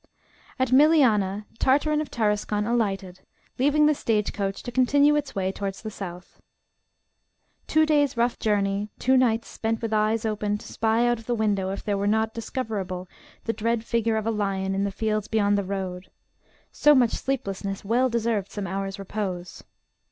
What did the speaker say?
AT Milianah, Tartarin of Tarascon alighted, leaving the stage coach to continue its way towards the South. Two days' rough jolting, two nights spent with eyes open to spy out of window if there were not discoverable the dread figure of a lion in the fields beyond the road so much sleeplessness well deserved some hours repose.